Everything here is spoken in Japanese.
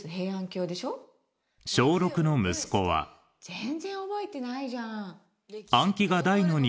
全然覚えてないじゃん。